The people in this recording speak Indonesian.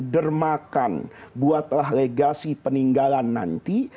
dermakan buatlah legasi peninggalan nanti